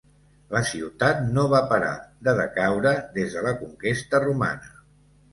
La ciutat no va parar de decaure des de la conquesta romana.